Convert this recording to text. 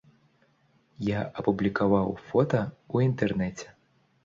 Я апублікаваў фота ў інтэрнэце.